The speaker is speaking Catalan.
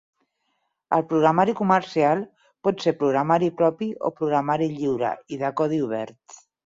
El programari comercial pot ser programari propi o programari lliure i de codi obert.